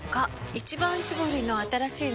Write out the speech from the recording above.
「一番搾り」の新しいの？